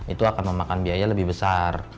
itu akan memakan biaya lebih besar